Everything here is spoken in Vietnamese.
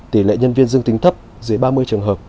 tỷ lệ nhân viên dương tính thấp dưới ba mươi trường hợp